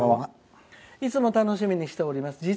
いつも楽しみにしております。